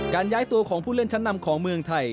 ย้ายตัวของผู้เล่นชั้นนำของเมืองไทย